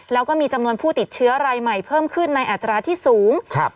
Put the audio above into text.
แล้วก็มีจำนวนผู้ติดเชื้อรายใหม่เพิ่มขึ้นในอัตราที่สูงครับ